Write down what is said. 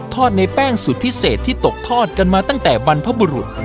ในแป้งสูตรพิเศษที่ตกทอดกันมาตั้งแต่บรรพบุรุษ